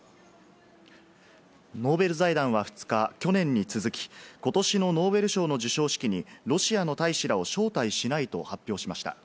ノーベル財団は２日、去年に続き、ことしのノーベル賞の授賞式にロシアの大使らを招待しないと発表しました。